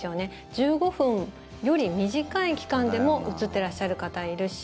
１５分より短い期間でもうつってらっしゃる方がいるし。